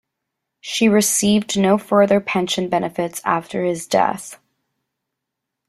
She received no further pension benefits after his death.